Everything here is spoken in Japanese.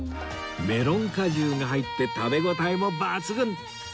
メロン果汁が入って食べ応えも抜群！